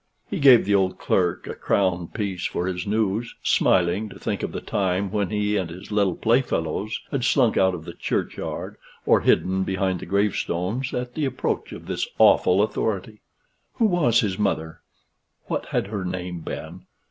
He gave the old clerk a crown piece for his news, smiling to think of the time when he and his little playfellows had slunk out of the churchyard or hidden behind the gravestones, at the approach of this awful authority. Who was his mother? What had her name been?